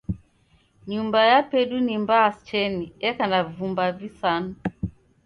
Nyumba yapedu ni mbaa cheni, eka na vumba visanu.